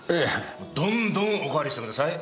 どんどんお代わりしてください。